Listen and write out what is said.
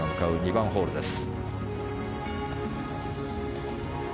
２番ホールです。